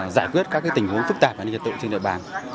giải quyết các tình huống phức tạp và nhiệt tự trên địa bàn